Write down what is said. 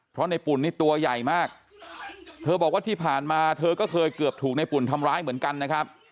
เพราะในปุ่นนี่ตัวใหญ่มากเธอบอกว่าที่ผ่านมาเธอก็เคยเกือบถูกในปุ่นทำร้ายเหมือนกันนะครับ